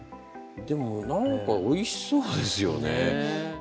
でも何かおいしそうですよね。